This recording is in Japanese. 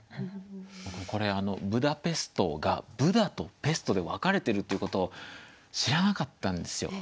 これブダペストが「ブダ」と「ペスト」で分かれてるっていうことを知らなかったんですよ。